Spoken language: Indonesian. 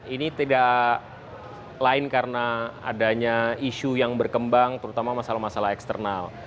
ini tidak lain karena adanya isu yang berkembang terutama masalah masalah eksternal